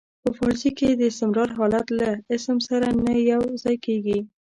په فارسي کې د استمرار حالت له اسم سره نه یو ځای کیږي.